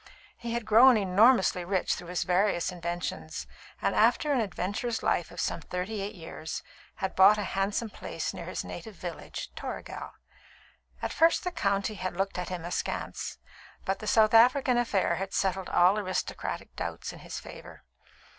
He had grown enormously rich through his various inventions, and, after an adventurous life of some thirty eight years, had bought a handsome place near his native village, Toragel. At first the county had looked at him askance, but the South African affair had settled all aristocratic doubts in his favour.